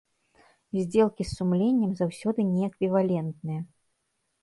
Здзелкі з сумленнем заўсёды неэквівалентныя.